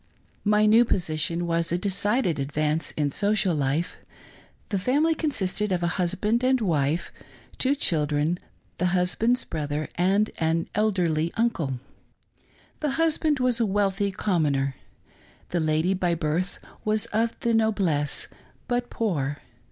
My new position was a decided advance in social life. The family consisted of husband and wife, two children, the hus band's brother, and an elderly uncle. The husband was a wealthy commoner. The lady by birth was of the noblesse, but poor.